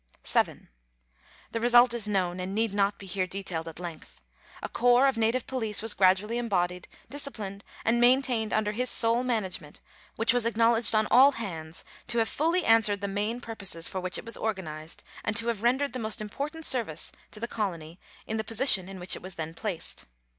7. The result is known, and need not be here detailed at length. A corps of native police was gradually embodied, disci plined, and maintained under his sole management, which was acknowledged on all hands to have fully answered the main purposes for which it was organized, and to have rendered the most important service to the colony in the position in which it was then placed.